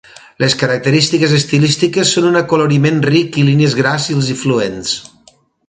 Les característiques estilístiques són un acoloriment ric i línies gràcils i fluents.